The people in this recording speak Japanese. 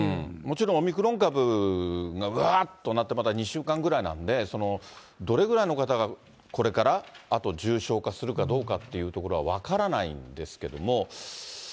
もちろんオミクロン株がうわっとなって、まだ２週間ぐらいなんで、どれぐらいの方がこれからあと重症化するかどうかっていうところは分からないんですけれども。